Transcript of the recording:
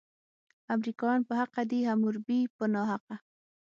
امریکایان په حقه دي، حموربي په ناحقه.